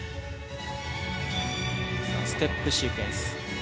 ステップシークエンス。